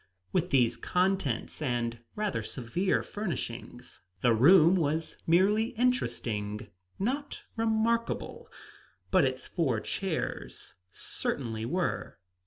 With these contents and rather severe furnishings the room was merely interesting, not remarkable. But its four chairs certainly were.